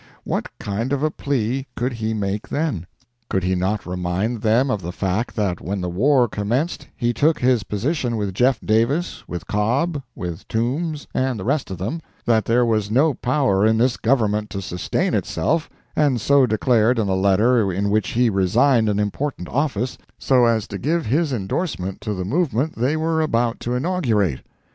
What kind of a plea could he make then? Could he not remind them of the fact that when the war commenced he took his position with Jeff Davis, with Cobb, with Toombs, and the rest of them, that there was no power in this Government to sustain itself, and so declared in a letter in which he resigned an important office, so as to give his indorsement to the movement they were about to inaugurate!